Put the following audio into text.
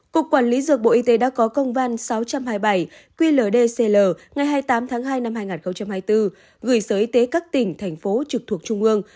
cục quản lý dược bộ y tế đã có công văn sáu trăm hai mươi bảy qld cl ngày hai mươi tám tháng hai năm hai nghìn hai mươi bốn gửi sở y tế các tỉnh thành phố trực thuộc trung ương